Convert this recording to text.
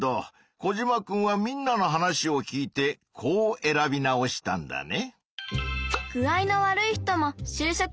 コジマくんはみんなの話を聞いてこう選び直したんだね。